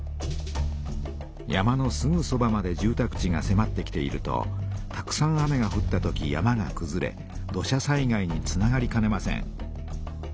山のすぐそばまで住たく地がせまってきているとたくさん雨がふったとき山がくずれ土砂災害につながりかねません。